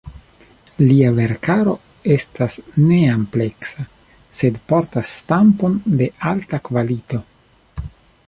Lia verkaro estas neampleksa, sed portas stampon de alta kvalito.